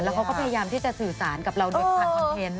และก็กลับไปพยายามจะสื่อสารกับเราด้วยผ่านคอนเทนต์